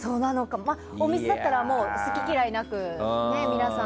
お水だったら好き嫌いなく皆さん。